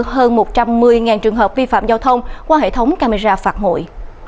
hơn một trăm một mươi trường hợp vi phạm giao thông qua hệ thống camera phạt nguội